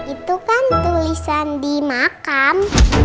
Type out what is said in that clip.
itu kan tulisan di makam